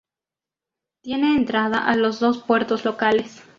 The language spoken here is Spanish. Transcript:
Tiene entrada a los dos Puertos locales.